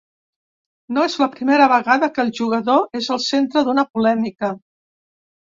No és la primera vegada que el jugador és el centre d’una polèmica.